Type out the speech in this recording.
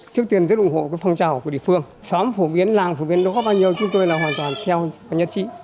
trước tiên rất ủng hộ cái phong trào của địa phương xóm phổ biến làng phổ biến đó bao nhiêu chúng tôi là hoàn toàn theo nhất trị